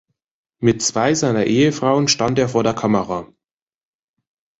Mit zwei seiner Ehefrauen stand er vor der Kamera.